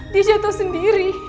dia jatuh sendiri